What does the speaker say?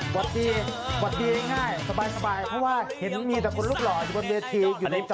สวัสดีสวัสดีง่ายสบายเพราะว่าเห็นมีแต่คนรูปหล่ออยู่บนเวทีอยู่ในจอ